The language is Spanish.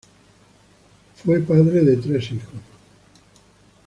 Fue padre de tres hijos.